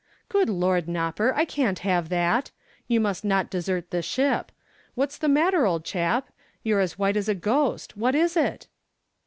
"Good Lord, Nopper, I can't have that. You must not desert the ship. What's the matter, old chap? You're as white as a ghost. What is it?"